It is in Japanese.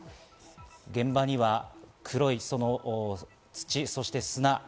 現場には黒い土、そして砂。